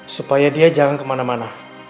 supaya dia jangan kemana mana